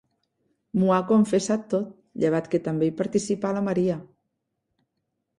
M'ho ha confessat tot, llevat que també hi participà la Maria.